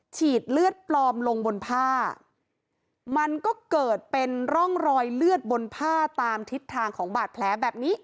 ฉีดเลือดปลอมลงบนผ้ามันก็เกิดเป็นร่องรอยเลือดบนผ้าตามทิศทางของบาดแผลแบบนี้